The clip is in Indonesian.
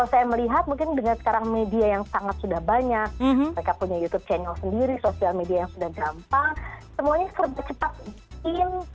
saya melihat mungkin dengan sekarang media yang sangat sudah banyak mereka punya youtube channel sendiri sosial media yang sudah gampang semuanya serba cepat mungkin